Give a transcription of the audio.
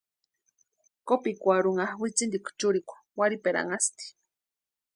Kopikwarhunha witsintikwa churikwa warhiperanhasti.